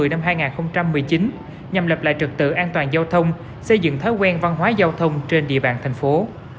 năm hai nghìn một mươi chín nhằm lập lại trực tự an toàn giao thông xây dựng thói quen văn hóa giao thông trên địa bàn thành phố